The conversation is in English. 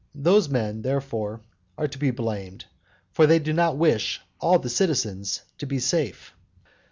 Those men, therefore, are to be blamed; for they did not wish all the citizens to be safe.